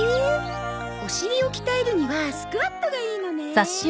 お尻をきたえるにはスクワットがいいのね。